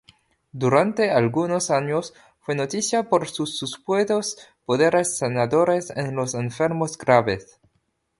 Durante algunos años fue noticia por sus supuestos poderes sanadores en los enfermos graves.